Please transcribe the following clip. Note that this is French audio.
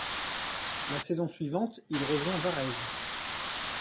La saison suivante il rejoint Varese.